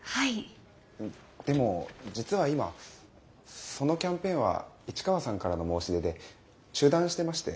でも実は今そのキャンペーンは市川さんからの申し出で中断してまして。